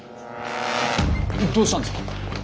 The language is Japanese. どうしたんですか？